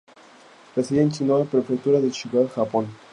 Residía en Shizuoka, Prefectura de Shizuoka, Japón.